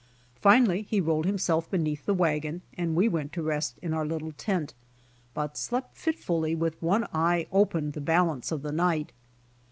Finally he rolled himself beneath the wagon, and we went to rest in our little tent, but slept fitfully with one eye open the balance of the night.